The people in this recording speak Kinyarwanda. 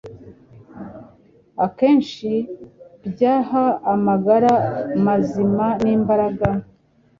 akenshi byaha amagara mazima n’imbaraga